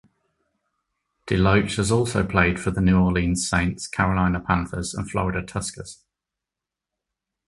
Deloatch has also played for the New Orleans Saints, Carolina Panthers and Florida Tuskers.